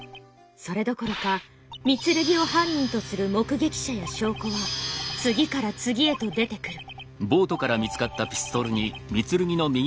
それどころか御剣を犯人とする目撃者や証拠は次から次へと出てくる。